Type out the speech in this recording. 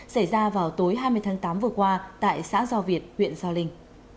xảy ra vào tối hai mươi tháng tám vừa qua tại xã do việt huyện gio linh